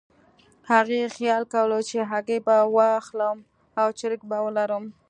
هغې خیال کولو چې هګۍ به واخلم او چرګې به ولرم.